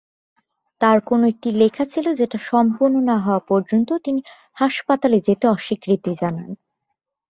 তার কোন একটি লেখা ছিল যেটা সম্পন্ন না হওয়া পর্যন্ত তিনি হাসপাতালে যেতে অস্বীকৃতি জানান।